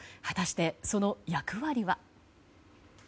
果たして、その役割は。